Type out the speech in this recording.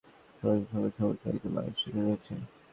সমাজের বড় মর্যাদাসম্পন্ন একজন মানুষ নিখোঁজ হয়েছেন।